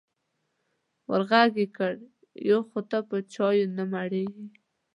ور غږ یې کړل: یو خو ته په چایو نه مړېږې.